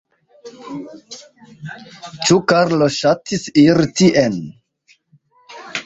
Ĉu Karlo ŝatis iri tien?